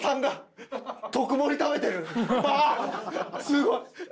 すごい！